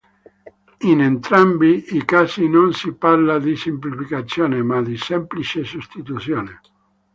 In entrambi i casi non si parla di semplificazione ma di semplice sostituzione.